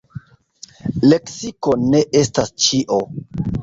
Leksiko ne estas ĉio.